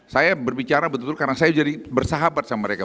saya berbicara betul karena saya jadi bersahabat sama mereka